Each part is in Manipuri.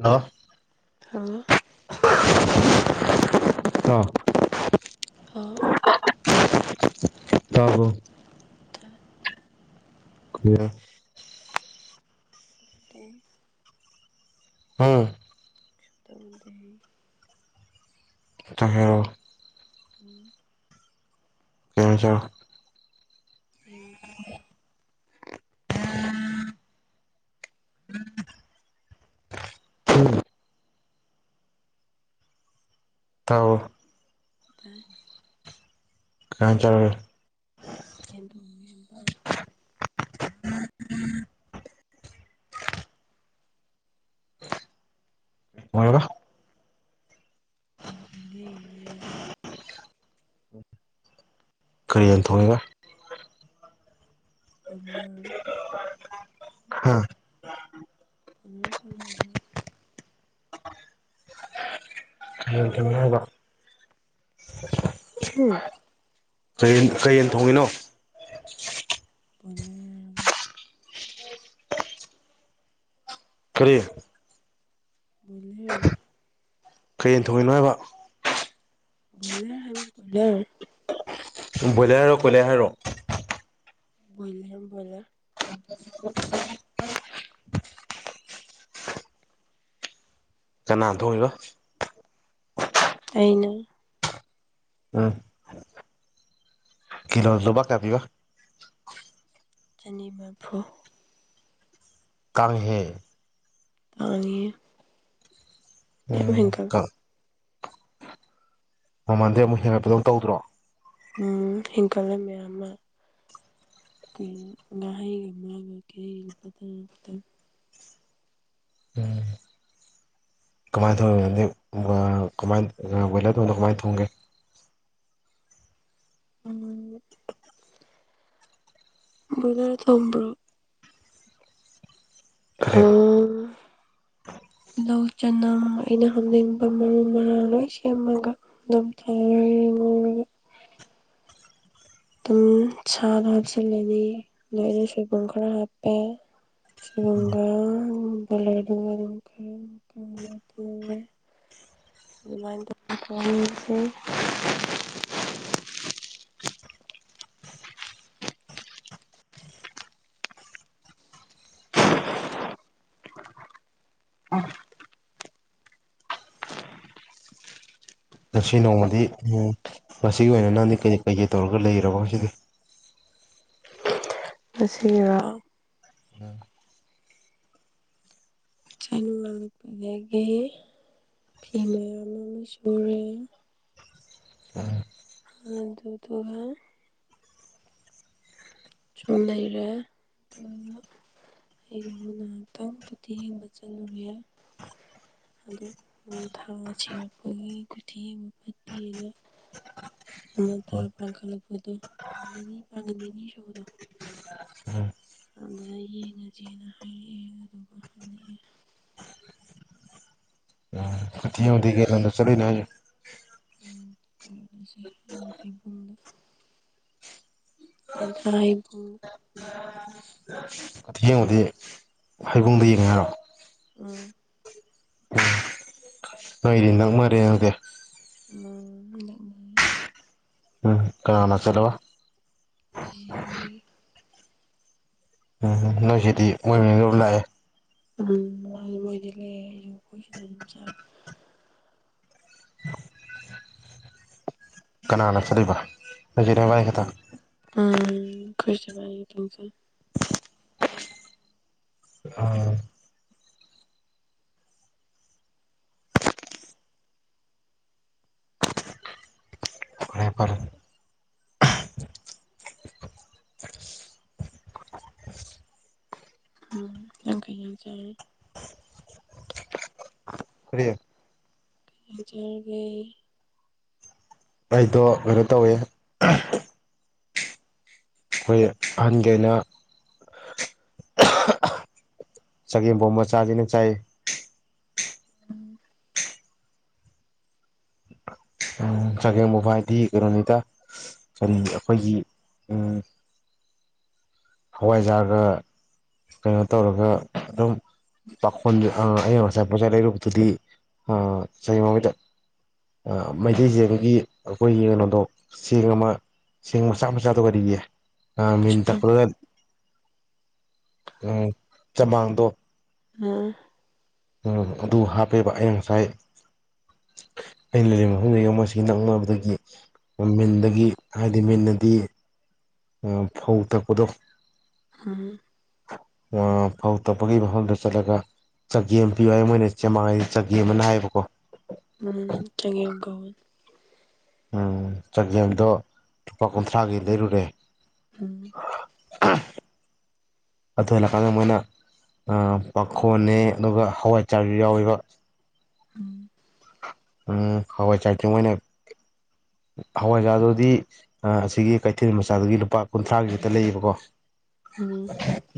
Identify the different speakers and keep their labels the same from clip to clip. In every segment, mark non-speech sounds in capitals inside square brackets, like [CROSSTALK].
Speaker 1: ꯍꯜꯂꯣ
Speaker 2: ꯍꯜꯂꯣ
Speaker 1: ꯑ
Speaker 2: ꯑꯥ
Speaker 1: ꯇꯥꯕꯔꯣ
Speaker 2: ꯇꯥꯏ
Speaker 1: ꯀꯧꯏꯔꯣꯏ
Speaker 2: ꯇꯦ
Speaker 1: ꯍꯝ
Speaker 2: ꯇꯧꯗꯦ ꯍꯦ
Speaker 1: ꯆꯥꯛ ꯆꯥꯔꯕꯣ
Speaker 2: ꯎꯝ
Speaker 1: [UNINTELLIGIBLE]
Speaker 2: ꯌꯦꯟꯖ
Speaker 1: ꯎꯝ ꯊꯥꯎꯑꯣ
Speaker 2: ꯇꯥꯏ
Speaker 1: ꯀꯩ ꯍꯦꯟꯁꯥꯡ ꯆꯔꯒꯦ
Speaker 2: ꯌꯦꯟꯊꯣꯡꯉꯦꯝꯕ
Speaker 1: [UNINTELLIGIBLE]
Speaker 2: ꯌꯦꯟ ꯊꯣꯡꯒꯦ ꯌꯦꯟ
Speaker 1: ꯀꯔꯤ ꯌꯦꯟ ꯊꯣꯡꯉꯦꯕ
Speaker 2: ꯕꯣꯏꯂꯔ
Speaker 1: ꯍꯥ
Speaker 2: ꯕꯣꯏꯂꯔ ꯊꯣꯡꯉꯦꯕ
Speaker 1: ꯀꯔꯤ ꯌꯦꯟ ꯊꯣꯡꯉꯤꯅꯣ ꯍꯥꯏꯕ
Speaker 2: ꯎꯝ
Speaker 1: ꯀꯩꯌꯦꯟ ꯀꯩ ꯌꯦꯟ ꯊꯣꯡꯉꯤꯅꯣ
Speaker 2: ꯕꯣꯏꯂꯔ ꯍꯥꯏꯕ
Speaker 1: ꯀꯔꯤ
Speaker 2: ꯕꯣꯏꯂꯔ
Speaker 1: ꯀꯩ ꯌꯦꯟ ꯊꯣꯡꯉꯤꯅꯣ ꯍꯥꯏꯕ
Speaker 2: ꯕꯣꯏꯂꯔ ꯍꯥꯏꯕ ꯕꯣꯏꯂꯔ
Speaker 1: ꯕꯣꯏꯂꯔꯔꯣ ꯀꯣꯏꯂꯔ ꯍꯥꯏꯔꯣ
Speaker 2: ꯕꯣꯏꯂꯔ ꯕꯣꯏꯂꯔ
Speaker 1: ꯀꯅꯥ ꯊꯣꯡꯉꯤꯕ
Speaker 2: ꯑꯩꯅ
Speaker 1: ꯎꯝ ꯀꯩꯂꯣꯗ ꯂꯨꯄ ꯀꯌꯥ ꯄꯤꯕ
Speaker 2: ꯆꯅꯤ ꯃꯔꯐꯨ
Speaker 1: ꯀꯥꯡ [UNINTELLIGIBLE] ꯍꯦ
Speaker 2: ꯇꯥꯡꯉꯦ
Speaker 1: ꯎꯝ ꯀ ꯃꯃꯟꯗꯤ ꯑꯃꯨꯛ ꯍꯦꯟꯒꯠꯄꯗꯧ ꯇꯧꯗ꯭ꯔꯣ
Speaker 2: ꯎꯝ ꯍꯤꯡꯒꯠꯂꯦ ꯃꯌꯥꯝ ꯑꯃ ꯑꯩꯈꯣꯏ ꯉꯥꯍꯩꯒꯨꯝꯒ ꯀꯩꯩꯒꯨꯝꯗ
Speaker 1: ꯎꯝ ꯀꯃꯥꯏꯅ ꯊꯣꯡꯒꯦ ꯅꯪꯗꯤ ꯕꯣꯔ ꯀꯃꯥꯏ ꯕꯣꯏꯂꯔ ꯊꯣꯡꯕꯗꯣ ꯀꯃꯥꯏꯅ ꯊꯣꯡꯒꯦ
Speaker 2: ꯑꯃ ꯕꯣꯏꯂꯔ ꯊꯣꯡꯕ꯭ꯔꯣ
Speaker 1: ꯀꯔꯤ
Speaker 2: [UNINTELLIGIBLE] ꯆꯅꯥꯝ ꯑꯩꯅ ꯍꯥꯝꯅꯤꯡꯕ ꯃꯔꯨ ꯃꯔꯥꯡ ꯂꯣꯏ ꯁꯦꯝꯃꯒ ꯉꯝꯊ ꯌꯦ ꯉꯧꯔꯒ ꯑꯗꯨꯝ ꯁꯥꯗꯣ ꯍꯥꯞꯆꯤꯜꯂꯅꯤ ꯅꯣꯏꯅ ꯁꯣꯏꯕꯨꯝ ꯈꯔ ꯍꯥꯞꯄꯦ ꯁꯣꯏꯕꯨꯡꯒꯥꯏ ꯕꯣꯏꯂꯔ ꯗꯣ ꯃꯔꯨ ꯈ ꯂꯧꯊꯣꯍꯧꯔꯦ ꯑꯗꯨꯃꯥꯏ [UNINTELLIGIBLE] ꯑꯥꯏ
Speaker 1: ꯉꯁꯤ ꯅꯣꯡꯃꯗꯤ ꯉꯁꯤꯒꯤ ꯑꯣꯏꯅ ꯅꯪꯗꯤ ꯀꯩ ꯀꯩꯀꯩ ꯇꯧꯔꯒ ꯂꯩꯔꯕ ꯉꯁꯤꯗꯤ
Speaker 2: ꯃꯁꯤꯔꯣ
Speaker 1: ꯎꯝ
Speaker 2: ꯂꯒꯦ ꯐꯤ ꯃꯌꯥꯝ ꯑꯃꯅ ꯁꯨꯔꯦ
Speaker 1: ꯎ
Speaker 2: ꯑꯗꯨ ꯑꯗꯨꯒ [UNINTELLIGIBLE] ꯁꯨꯝ ꯂꯩꯔꯦ ꯑꯗꯨ ꯑꯩꯗꯣꯕꯨ ꯉꯥꯏꯍꯥꯛꯇꯪ ꯀꯨꯇꯤ ꯌꯦꯡꯕ ꯆꯠꯂꯨꯔꯦ ꯑꯗꯣ ꯅꯃꯣꯟ ꯊꯥ ꯁꯤꯔꯛꯄꯒꯤ ꯀꯨꯇꯤ ꯌꯦꯡꯕ ꯐꯠꯇꯦꯅ ꯅꯃꯣꯟ ꯊꯥ ꯄꯥꯡꯈꯠꯂꯛꯄꯗꯣ ꯅꯤꯅꯤ ꯄꯥꯡꯒꯠ ꯅꯤꯅꯤ ꯁꯨꯕꯗꯣ ꯑꯗꯨꯗ ꯌꯦꯡꯉ ꯖꯦꯅ ꯍꯥꯏꯔꯛꯑꯦ ꯑꯗꯨꯒ ꯍꯜꯂꯛꯑꯦ
Speaker 1: ꯀꯨꯊꯤ ꯍꯧꯕꯗꯤ ꯀꯩ ꯂꯝꯗ ꯆꯠꯂꯨꯏꯅꯣ ꯍꯥꯏꯁꯦ
Speaker 2: ꯀꯩꯅꯣꯗꯁꯦ ꯍꯩꯕꯨꯡꯗ ꯇꯦꯟꯊꯥ ꯍꯩꯕꯨꯡ
Speaker 1: ꯀꯨꯊꯤ ꯌꯦꯡꯕꯗꯤ ꯍꯩꯕꯨꯡꯗ ꯌꯦꯡꯉꯦ ꯍꯥꯏꯔꯣ
Speaker 2: ꯎꯝ
Speaker 1: ꯅꯣꯏꯗꯤ ꯅꯛꯃꯔꯦ ꯑꯗꯨꯗꯤ
Speaker 2: ꯃ ꯅꯛꯑ [UNINTELLIGIBLE]
Speaker 1: ꯎꯝ ꯀꯥꯅꯅ ꯂꯥꯛꯀꯗꯕ
Speaker 2: ꯆꯤꯆꯦ ꯍꯣꯏꯒꯤ [UNINTELLIGIBLE]
Speaker 1: ꯎ ꯅꯣꯏꯁꯤꯗꯤ ꯃꯣꯏꯗꯨꯝ ꯂꯥꯛꯑꯦ
Speaker 2: ꯎꯝ ꯃꯣꯏꯂꯩ ꯑꯩꯈꯣꯏꯖꯨ ꯆꯠ
Speaker 1: ꯀꯅꯥꯅ ꯆꯠꯂꯤꯕ ꯅꯣꯏ ꯆꯦ ꯅꯣꯏꯅꯤꯈꯛ
Speaker 2: ꯎꯝ ꯈꯨꯁꯤ ꯄꯥꯏ ꯇꯨꯨꯡꯁꯨ [UNINTELLIGIBLE]
Speaker 1: ꯑꯥ ꯐꯔꯦ ꯐꯔꯦ
Speaker 2: ꯎꯝ ꯅꯪ ꯀꯩꯖꯥꯡ ꯆꯔꯦ
Speaker 1: ꯀꯔꯤ
Speaker 2: ꯂꯨꯖꯔꯨꯔꯦ
Speaker 1: ꯑꯩꯗꯣ ꯀꯩꯅꯣ ꯇꯧꯋꯦ ꯑꯩꯈꯣꯏ ꯑꯍꯟꯒꯩꯅ ꯆꯒꯦꯝꯄꯣꯝꯕ ꯆꯥꯁꯤꯅ ꯆꯥꯏ ꯆꯒꯦꯝꯄꯣꯝꯕ ꯍꯥꯏꯗꯤ ꯀꯩꯅꯣꯅꯤꯗ ꯀꯔꯤ ꯑꯩꯈꯣꯏꯒꯤ ꯍꯋꯥꯏꯖꯥꯔꯒ ꯀꯩꯅꯣ ꯇꯧꯔꯒ ꯑꯗꯨꯝ ꯄꯥꯈꯣꯟ ꯑꯪ ꯉꯁꯥꯏ ꯄꯣꯠꯆꯩ ꯂꯩꯔꯨꯕꯗꯨꯗꯤ ꯆꯍꯤ ꯃꯩꯗ ꯀꯃꯩꯇꯩ ꯆꯦꯡꯒꯤ ꯑꯩꯈꯣꯏꯒꯤ ꯀꯩꯅꯣꯗꯣ ꯆꯦꯡ ꯑꯃ ꯆꯦꯡ ꯃꯆꯥ ꯃꯆꯥꯗꯣ ꯀꯔꯤꯌꯦ ꯃ ꯃꯤꯦꯟ
Speaker 2: ꯁꯨꯄꯝ
Speaker 1: ꯇꯄꯂꯒ ꯎꯝ ꯆꯃꯥꯡꯗꯣ
Speaker 2: ꯑ [UNINTELLIGIBLE]
Speaker 1: ꯑꯗꯨ ꯍꯥꯞꯄꯦꯕ ꯑꯩꯅ ꯉꯁꯥꯏ ꯑꯩꯅ ꯂꯩꯔꯤꯕ ꯃꯐꯝꯗꯒꯤꯁꯤ ꯅꯛꯅꯕꯗꯒꯤ ꯃꯤꯟꯗꯒꯤ ꯍꯥꯏꯗꯤ ꯃꯤꯠꯟꯅꯗꯤ ꯐꯧ ꯇꯥꯄꯗ
Speaker 2: ꯍꯨꯝ
Speaker 1: ꯐꯧ ꯇꯄꯒꯤ ꯃꯐꯝꯗ ꯆꯠꯂꯒ ꯆꯒꯦꯝ ꯄꯤꯌꯨ ꯍꯥꯏ ꯃꯣꯏꯅ ꯆꯦꯃꯥꯡꯉꯩ ꯆꯒꯦꯝ ꯑꯃꯅ ꯍꯥꯏꯕꯀꯣ
Speaker 2: ꯎꯝ ꯆꯒꯦꯝ ꯀꯧꯋꯦ
Speaker 1: ꯎꯝ ꯆꯒꯦꯝꯗꯣ ꯂꯨꯄꯥ ꯀꯨꯟꯊ꯭ꯔꯥꯒꯤ ꯂꯩꯔꯨꯔꯦ
Speaker 2: ꯎꯝ
Speaker 1: ꯑꯗꯨ ꯍꯜꯂꯛꯀꯥꯟꯗ ꯃꯣꯏꯅ ꯄꯥꯡꯈꯣꯟꯅꯦ ꯑꯗꯨꯒ ꯍꯋꯥꯏ ꯆꯥꯔ ꯌꯥꯎꯔꯤꯕ
Speaker 2: ꯎꯝ
Speaker 1: ꯎꯝ ꯍꯋꯥꯏ ꯆꯇ ꯃꯅ ꯍꯋꯥꯏꯖꯥꯗꯨꯗꯤ ꯑꯁꯤꯒꯤ ꯀꯩꯊꯦꯜ ꯃꯆꯥꯗꯨꯒꯤ ꯂꯨꯄꯥ ꯀꯨꯟꯊ꯭ꯔꯥꯒꯤ ꯍꯦꯛꯇ ꯂꯩꯌꯦꯕꯀꯣ
Speaker 2: ꯎꯝ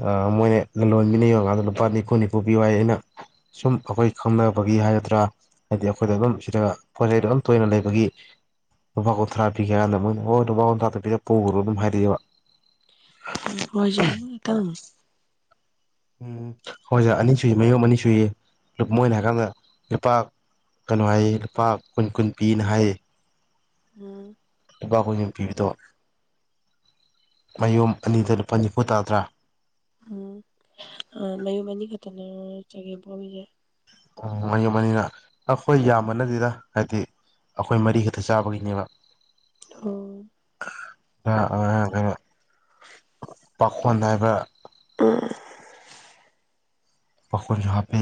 Speaker 1: ꯑ ꯃꯣꯏꯅ ꯂꯣꯟ ꯃꯤꯅ ꯌꯡꯉꯀꯥꯟꯗ ꯂꯨꯄꯥ ꯅꯤꯐꯨ ꯅꯤꯐꯨ ꯄꯤ ꯍꯥꯏ ꯑꯩꯅ ꯁꯨꯝ ꯑꯩꯈꯣꯏ ꯈꯪꯅꯕꯒꯤ ꯍꯥꯏꯒꯗ꯭ꯔꯥ ꯍꯥꯏꯗꯤ ꯑꯩꯈꯣꯏꯗ ꯑꯗꯨꯝ ꯁꯤꯗ ꯄꯣꯠ ꯆꯩꯩꯗ ꯑꯗꯨꯝ ꯇꯣꯏꯅ ꯂꯩꯕꯒꯤ ꯅꯨꯄꯥ ꯀ ꯊ꯭ꯔꯥꯄꯤ ꯑꯣ ꯅꯨꯄꯥꯟ ꯊ꯭ꯔꯥꯄꯤꯗ ꯄꯨꯒ꯭ꯔꯣ ꯑꯗꯨ ꯍꯥꯏꯔꯤꯗꯤꯕ
Speaker 2: ꯍꯋꯥꯏꯖ꯭ꯔ ꯑꯃꯇꯪ
Speaker 1: ꯎꯝ ꯍꯋꯥꯏꯖꯥꯔ ꯑꯅꯤ ꯃꯌꯣꯝ ꯑꯅꯤ ꯁꯨꯏꯌꯦ ꯃꯣꯏꯅ ꯍꯥꯏꯀꯥꯟꯗ ꯂꯨꯄꯥ ꯀꯩꯅꯣ ꯍꯥꯏꯌꯦ ꯂꯨꯄꯥ ꯀꯨꯟ ꯀꯨꯟ ꯄꯤꯅ ꯍꯥꯏꯌꯦ
Speaker 2: ꯎꯝ
Speaker 1: ꯂꯨꯄꯥ ꯀꯨꯨꯝ ꯄꯤꯕꯗꯣ ꯃꯌꯣꯝ ꯑꯅꯤꯗ ꯂꯨꯄꯥ ꯅꯤꯐꯨ ꯇꯥꯗ꯭ꯔꯥ
Speaker 2: ꯆꯒꯦꯝꯄꯣꯝꯃꯤꯁꯦ
Speaker 1: [UNINTELLIGIBLE] ꯑꯩꯈꯣꯏ ꯌꯥꯝꯕ ꯅꯠꯇꯦꯗ ꯍꯥꯏꯗꯤ ꯑꯩꯈꯣꯏ ꯃꯔꯤ ꯈꯛꯇ ꯆꯥꯕꯒꯤꯅꯦꯕ
Speaker 2: ꯑꯣ
Speaker 1: ꯉꯥꯔꯥꯡ ꯑꯉꯥꯡ ꯈꯩꯅ ꯄꯥꯈꯣꯟ ꯍꯥꯏꯕ ꯄꯈꯣꯟꯖ ꯍꯥꯞꯄꯦ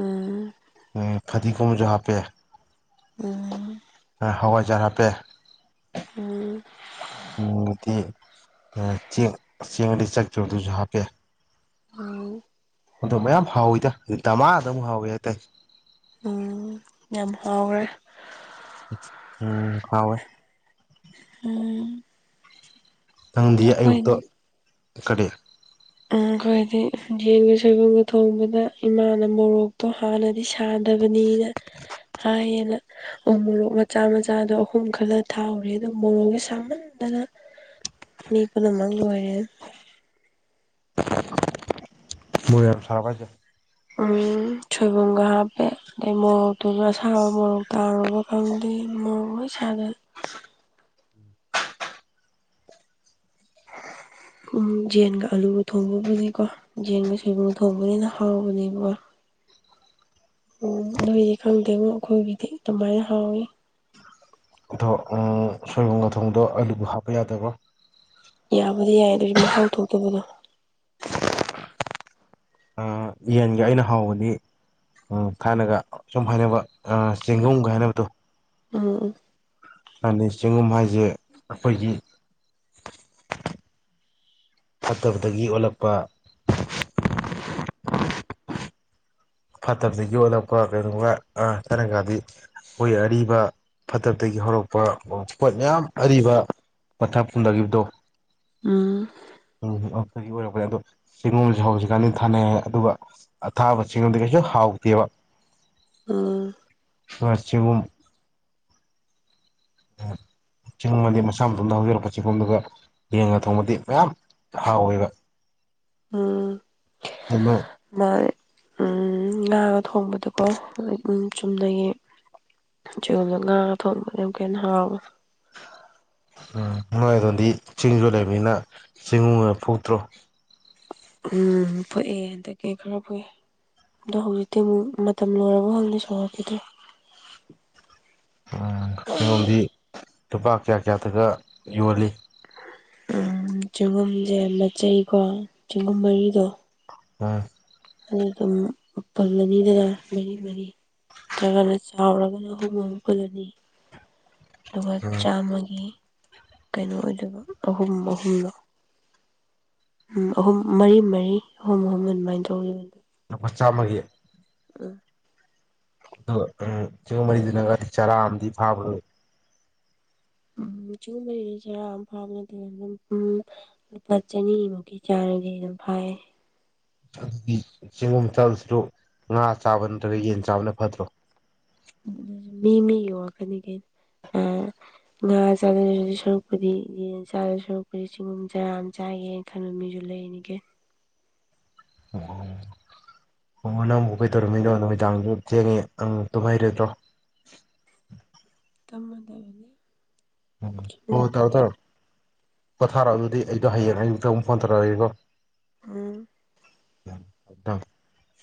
Speaker 2: ꯎꯝ
Speaker 1: ꯎꯝ ꯐꯗꯤꯒꯣꯝ ꯁꯨ ꯍꯥꯞꯄꯦ ꯍꯋꯥꯏꯖꯔ ꯍꯥꯞꯄꯦ
Speaker 2: ꯎꯝ
Speaker 1: [UNINTELLIGIBLE]
Speaker 2: ꯎꯝ
Speaker 1: ꯑꯗꯣ ꯃꯌꯥꯝ ꯍꯥꯎꯋꯤꯗ ꯗꯃꯥꯗ ꯑꯃꯨꯛ ꯍꯥꯎꯋꯤ ꯍꯥꯏꯇꯥꯔꯦ
Speaker 2: ꯎꯝ ꯌꯥꯝ ꯍꯥꯎꯈ꯭ꯔꯦ
Speaker 1: ꯎꯝ ꯍꯥꯎꯏ
Speaker 2: ꯎꯝ
Speaker 1: ꯅꯪꯗꯤ ꯑꯌꯨꯛꯇ
Speaker 2: ꯑꯩꯈꯣꯏꯗꯤ
Speaker 1: ꯀꯔꯤ
Speaker 2: ꯑꯩꯈꯣꯏꯗꯤ ꯌꯦꯟꯒ ꯁꯣꯏꯕꯨꯝꯒ ꯊꯣꯡꯕꯗ ꯏꯃꯥꯅ ꯃꯣꯔꯣꯛꯇꯣ ꯍꯥꯟꯅꯗꯤ ꯁꯥꯗꯕꯅꯤꯅ ꯍꯥꯏꯌꯦꯅ ꯎ ꯃꯣꯔꯣꯛ ꯃꯆꯥ ꯃꯆꯥꯗꯣ ꯑꯍꯨꯝ ꯈꯜꯂ ꯊꯥꯛ ꯎꯔꯦ ꯑꯗꯣ ꯃꯣꯔꯣꯛꯁꯦ ꯁꯥꯃꯟꯗꯅ ꯃꯤ ꯄꯨꯝꯅꯃꯛ ꯂꯣꯏꯔꯦ
Speaker 1: ꯃꯣꯔꯣꯛ ꯌꯥꯝ ꯁꯥꯔꯥꯕꯣ ꯍꯥꯏꯁꯦ
Speaker 2: ꯎꯝ ꯁꯣꯏꯕꯨꯝ ꯒꯥ ꯍꯥꯞꯄꯦ ꯑꯗꯩ ꯃꯣꯔꯣꯛ ꯑꯗꯨꯅ ꯑꯁꯥꯕ ꯃꯣꯔꯣꯛ ꯇꯥꯎꯔꯕ ꯈꯪꯗꯦ ꯃꯣꯔꯣꯛ ꯂꯣꯏ ꯁꯒ꯭ꯔꯦ
Speaker 1: [INAUDIBLE]
Speaker 2: ꯎꯝ ꯌꯦꯟꯒ ꯑꯂꯨꯒ ꯊꯣꯡꯕꯕꯨꯗꯤꯀꯣ ꯌꯦꯟꯒ ꯁꯣꯏꯕꯨꯝ ꯊꯣꯡꯕꯅ ꯍꯦꯟꯅ ꯍꯥꯎꯕꯅꯦꯕ ꯎꯝ ꯅꯣꯏꯗꯤ ꯈꯪꯗꯦꯉꯣ ꯑꯩꯈꯣꯏꯒꯤꯗꯤ ꯑꯗꯨꯃꯥꯏꯅ ꯍꯥꯎꯋꯤ
Speaker 1: ꯑꯗꯣ ꯎꯝ ꯁꯣꯏꯕꯨꯝꯒ ꯊꯣꯡꯕꯗꯣ ꯑꯂꯨꯗꯤ ꯍꯥꯞꯄ ꯌꯥꯗꯕ
Speaker 2: ꯌꯥꯕꯨꯗꯤ ꯌꯥꯏ ꯑꯗꯨꯗꯤ ꯃꯍꯥꯎ ꯊꯣꯛꯇꯕꯗꯣ
Speaker 1: ꯌꯦꯟꯒ ꯑꯩꯅ ꯍꯥꯎꯕꯅꯤ ꯊꯥꯏꯅꯒ ꯁꯨꯝ ꯍꯥꯏꯅꯕ ꯆꯦꯡꯒꯨꯝꯒ ꯍꯥꯏꯅꯕꯗꯣ
Speaker 2: ꯎꯝ ꯎꯝ
Speaker 1: ꯆꯦꯡꯒꯨꯝ ꯍꯥꯏꯁꯦ ꯑꯩꯈꯣꯏꯒꯤ ꯐꯠꯇꯕꯗꯒꯤ ꯑꯣꯜꯂꯛꯄ ꯐꯠꯇꯕꯗꯒꯤ ꯑꯣꯜꯂꯛꯄ ꯀꯩꯒꯨꯝꯕ ꯑꯥ ꯊꯥꯏꯅꯒꯗꯤ ꯃꯣꯏ ꯑꯔꯤꯕ ꯐꯠꯇꯕꯗꯒꯤ ꯍꯧꯔꯛꯄ ꯑꯣꯁꯄꯣꯠ ꯃꯌꯥꯝ ꯑꯔꯤꯕ ꯄꯠꯊꯥ ꯄꯨꯝꯊꯈꯤꯕꯗꯣ
Speaker 2: ꯎꯝ
Speaker 1: ꯑꯗꯨꯗꯒꯤ ꯑꯣꯏꯔꯛꯄꯅꯦ ꯍꯥꯏ ꯑꯗꯣ ꯆꯦꯡꯒꯣꯝꯁꯦ ꯍꯧꯖꯤꯛ ꯀꯥꯟꯗꯤ ꯊꯥꯅꯩ ꯑꯗꯨꯒ ꯑꯊꯥꯕ ꯆꯦꯡꯒꯨꯝꯗꯤ ꯀꯩꯁꯨ ꯍꯥꯎꯇꯦꯕ
Speaker 2: ꯎꯝ
Speaker 1: ꯋꯥ ꯆꯦꯡꯒꯨꯝ ꯆꯦꯡꯒꯨꯝ ꯑꯗꯤ ꯃꯁꯥ ꯃꯇꯣꯟꯗ ꯍꯧꯖꯔꯛꯄ ꯆꯤꯡꯒꯨꯝꯗꯨꯒ ꯌꯦꯟꯒ ꯊꯣꯡꯕꯗꯤ ꯃꯌꯥꯝ ꯍꯥꯎ ꯋꯦꯕ
Speaker 2: ꯎꯝ
Speaker 1: [INAUDIBLE]
Speaker 2: ꯃꯥ ꯉꯥꯒ ꯊꯣꯡꯕꯗꯀꯣ ꯆꯨꯝꯅꯒꯤ ꯆꯦꯡꯒꯨꯝꯗ ꯉꯥꯒ ꯊꯣꯡꯕꯗ ꯑꯃꯨꯛꯀ ꯍꯦꯟꯅ ꯍꯥꯎꯑꯦ
Speaker 1: ꯎꯝ ꯅꯣꯏꯑꯗꯣꯝꯗꯤ ꯆꯤꯡꯁꯨ ꯂꯩꯕꯅꯤꯅ ꯆꯦꯡꯒꯨꯝꯒ ꯐꯨꯛꯇ꯭ꯔꯣ
Speaker 2: ꯎꯝ ꯐꯨꯛꯑꯦ ꯍꯟꯗꯛꯀꯤ ꯈꯔ ꯐꯨꯛꯑꯦ ꯑꯗꯣ ꯍꯧꯖꯤꯛꯇꯤ ꯑꯃꯨꯛ ꯃꯇꯝ ꯂꯣꯏꯔꯕ ꯈꯪꯗꯦ ꯁꯧꯔꯛꯈꯤꯗ꯭ꯔꯦ
Speaker 1: ꯑꯥ ꯆꯦꯡꯒꯨꯝ ꯗꯤ ꯂꯨꯄꯥ ꯀꯌꯥ ꯀꯌꯥꯗꯒ ꯌꯣꯜꯂꯤ
Speaker 2: ꯎꯝ ꯆꯦꯡꯒꯨꯝꯁꯦ ꯃꯆꯩꯀꯣ ꯆꯦꯡꯒꯨꯝ ꯃꯔꯤꯗꯣ
Speaker 1: ꯎꯝ
Speaker 2: ꯑꯅꯤ ꯑꯅꯤ ꯐꯨꯜꯂꯅꯤꯗꯅ ꯃꯔꯤ ꯃꯔꯤ ꯅꯠꯇ꯭ꯔꯒꯅ ꯆꯥꯎꯔꯒꯅ ꯑꯍꯨꯝ ꯐꯨꯜ ꯑꯅꯤ ꯑꯗꯨꯒ
Speaker 1: ꯎꯝ
Speaker 2: ꯆꯥꯝꯃꯒꯤ ꯀꯩꯅꯣ ꯑꯣꯏꯗꯣꯏꯕ ꯑꯍꯨꯝ ꯑꯍꯨꯝꯂꯣ ꯎꯝ ꯑꯍꯨꯝ ꯃꯔꯤ ꯃꯔꯤ ꯑꯍꯨꯝ ꯑꯍꯨꯝ ꯑꯗꯨꯃꯥꯏꯅ ꯇꯧꯔꯤꯕꯅꯦ
Speaker 1: ꯃꯆꯥꯃꯒꯤ
Speaker 2: ꯎꯝ
Speaker 1: [UNINTELLIGIBLE]
Speaker 2: [UNINTELLIGIBLE]
Speaker 1: ꯑꯗꯨꯗꯤ ꯆꯦꯡꯒꯨꯝ ꯆꯥꯗꯣꯏ ꯁꯔꯨꯛ ꯉꯥ ꯆꯥꯕ ꯅꯠꯇ꯭ꯔꯒ ꯌꯦꯟ ꯆꯥꯕꯅ ꯐꯠꯇ꯭ꯔꯣ
Speaker 2: ꯑꯗꯨꯖꯨ ꯃꯤ ꯃꯤꯒꯤ ꯋꯥꯈꯟꯅꯤ ꯀꯩꯅꯣ ꯑꯥ ꯉꯥ [UNINTELLIGIBLE] ꯁꯔꯨꯛꯄꯨꯗꯤ ꯌꯦꯟ ꯆꯥꯗꯣꯏ ꯁꯔꯨꯛꯄꯨꯗꯤ ꯆꯤꯡꯒꯨꯝ ꯆꯔꯥ ꯑꯃ ꯆꯥꯒꯦꯅ ꯈꯟꯕ ꯃꯤꯁꯨ ꯂꯩꯔꯤꯅꯤ ꯀꯩꯅꯣ
Speaker 1: [INAUDIBLE] ꯃꯃꯥ ꯅꯪꯕꯨ ꯀꯩꯗꯧꯔꯝꯃꯤꯅꯣ ꯅꯨꯃꯤꯗꯥꯡ ꯃꯨ ꯆꯦꯜꯂꯦ ꯑꯪ ꯇꯨꯝꯍꯩꯔꯤꯗ꯭ꯔꯣ
Speaker 2: [UNINTELLIGIBLE]
Speaker 1: ꯍꯣ
Speaker 2: ꯎꯝ
Speaker 1: ꯇꯧꯔꯣ ꯇꯧꯔꯣ ꯄꯣꯊꯥꯔꯣ ꯑꯗꯨꯗꯤ ꯑꯩꯗꯣ ꯍꯌꯦꯡ ꯑꯌꯨꯛꯇ ꯑꯃꯨꯛ ꯐꯣꯟ ꯇꯧꯔꯛꯑꯒꯦꯀꯣ
Speaker 2: ꯎꯝ
Speaker 1: [UNINTELLIGIBLE]